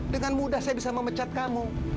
dengan mudah saya bisa memecat kamu